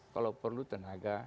kalau perlu tenaga